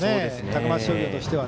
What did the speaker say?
高松商業としては。